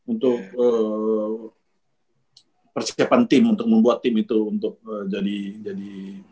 untuk persiapan tim untuk membuat tim itu untuk jadi